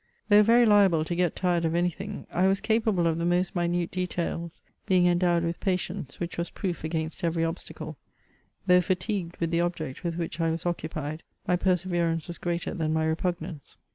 Though very liable to get tired of anything, I was capable of the most minute details, being endowed with pa tience, which was proof against every obstacle; though fatigued with the object with which I was occupied, my perseverance was greater than my repugnance.